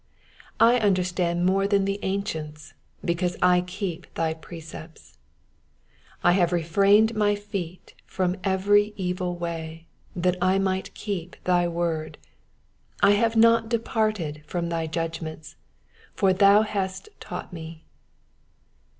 100 I understand more than the ancients, because I keep thy precepts. loi I have refrained my feet from every evil way, that I might keep thy word. 102 I have not departed from thy judgments : for thou hast taught me.